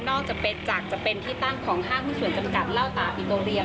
จากจะเป็นที่ตั้งของห้างหุ้นส่วนจำกัดเล่าตาปิโตเรียม